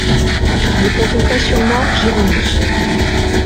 Ne comptez pas sur moi, j'y renonce.